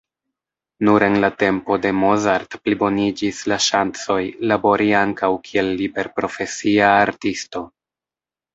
Nur en la tempo de Mozart pliboniĝis la ŝancoj, labori ankaŭ kiel liberprofesia artisto.